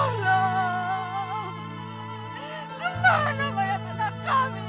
sudah bu sebaiknya kita lambangkan